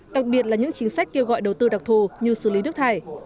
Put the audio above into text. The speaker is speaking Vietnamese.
đặc biệt là những chính sách kêu gọi đầu tư đặc thù như xử lý nước thải